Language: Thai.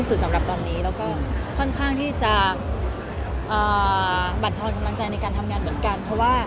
แล้วค่อนข้างที่จะแบ่นทอนกำลังใจในการทำงานเหมือนกัน